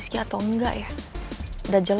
memang daddy salah mel